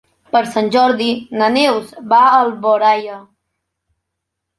Per Sant Jordi na Neus va a Alboraia.